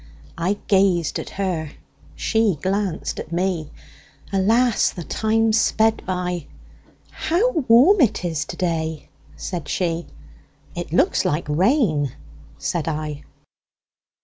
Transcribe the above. I gazed at her, she glanced at me; Alas! the time sped by:"How warm it is to day!" said she;"It looks like rain," said I.